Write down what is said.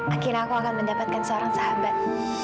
akhirnya aku akan mendapatkan seorang sahabat